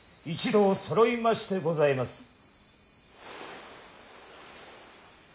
一同そろいましてございます。